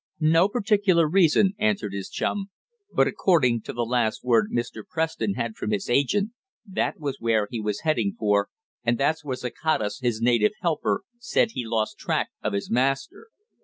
"No particular reason," answered his chum. "But, according to the last word Mr. Preston had from his agent, that was where he was heading for, and that's where Zacatas, his native helper, said he lost track of his master.